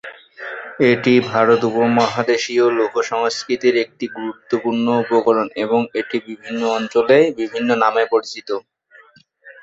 এটি ভারত উপমহাদেশীয় লোকসংস্কৃতির একটি গুরুত্বপূর্ণ উপকরণ এবং এটি বিভিন্ন অঞ্চলে বিভিন্ন নামে পরিচিত।